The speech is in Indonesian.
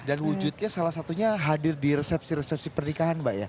dan wujudnya salah satunya hadir di resepsi resepsi pernikahan mbak ya